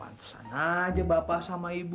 kesana aja bapak sama ibu